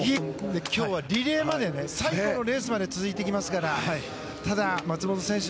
今日はリレーまで最後のレースまで続いていきますからただ、松元選手